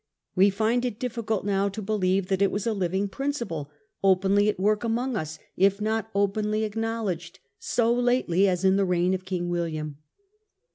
We find it difficult now to believe that it was a living principle, openly at work among us, if not openly acknowledged, so lately as in the reign of King William.